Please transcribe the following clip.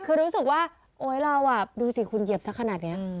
คือรู้สึกว่าโอ๊ยเราดูสิคุณเหยียบสักขนาดนี้